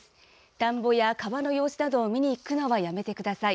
田んぼや川の様子などを見に行くのはやめてください。